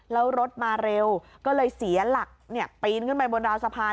แล้วรถมาเร็วก็เลยเสียหลักปีนขึ้นไปบนราวสะพาน